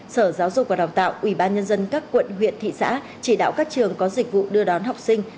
sở giáo dục và đào tạo ubnd các quận huyện thị xã chỉ đạo các trường có dịch vụ đưa đón học sinh